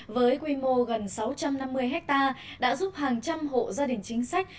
với quy mô gần sáu trăm năm mươi hectare đã giúp hàng trăm hộ gia đình chính sách